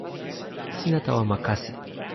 sina tawa ma kasi